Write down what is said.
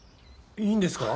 いいんですか？